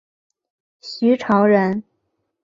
徐潮人。